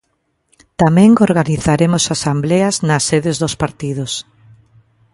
Tamén organizaremos asembleas nas sedes dos partidos.